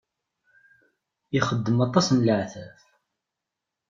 Ixeddem aṭas n leɛtab.